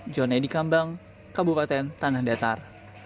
jon eddy kambang kabupaten tanah datar